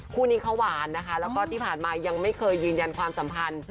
คู่นี้เขาหวานนะคะแล้วก็ที่ผ่านมายังไม่เคยยืนยันความสัมพันธ์